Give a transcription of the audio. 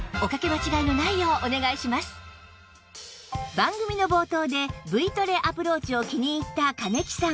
番組の冒頭で Ｖ トレアプローチを気に入った金木さん